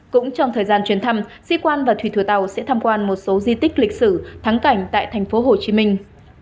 cũng trong thời gian chuyến thăm sĩ quan và thủy thủ tàu sẽ tham quan một số di tích lịch sử thắng cảnh tại thành phố hồ chí minh